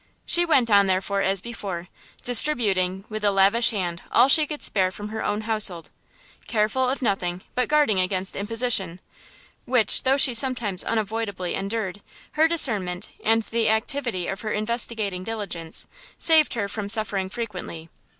She went on, therefore, as before, distributing with a lavish hand all she could spare from her own household; careful of nothing but of guarding against imposition, which, though she sometimes unavoidably endured, her discernment, and the activity of her investigating diligence, saved her from suffering frequently.